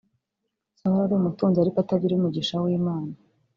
Sawuli ari umutunzi ariko atagira umugisha w’Imana